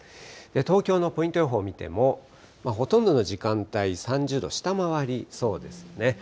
東京のポイント予報見ても、ほとんどの時間帯、３０度を下回りそうですね。